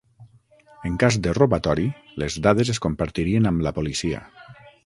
En cas de robatori, les dades es compartirien amb la policia.